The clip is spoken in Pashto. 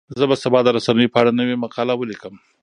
زه به سبا د رسنیو په اړه نوې مقاله ولیکم.